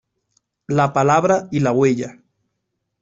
La palabra y la huella.